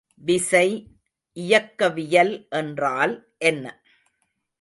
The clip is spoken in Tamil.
விசை இயக்கவியல் என்றால் என்ன?